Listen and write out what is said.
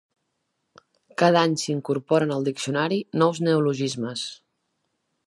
Cada any s'incorporen al diccionari nous neologismes.